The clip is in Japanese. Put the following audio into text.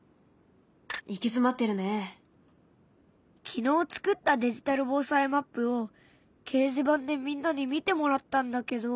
昨日作ったデジタル防災マップを掲示板でみんなに見てもらったんだけど。